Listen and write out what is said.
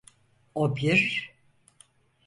O bir…